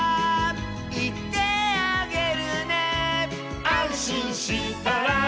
「いってあげるね」「あんしんしたら」